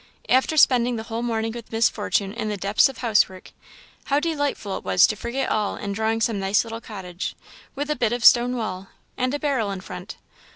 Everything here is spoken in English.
After spending the whole morning with Miss Fortune in the depths of house work, how delightful it was to forget all in drawing some nice little cottage, with a bit of stone wall, and a barrel in front!